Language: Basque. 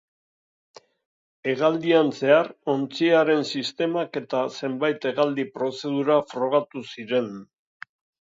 Hegaldian zehar ontziaren sistemak eta zenbait hegaldi prozedura frogatu ziren.